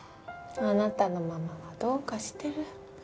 あなたのママはどうかしてる。